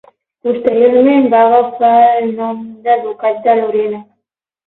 Posteriorment va agafar el nom de ducat de Lorena.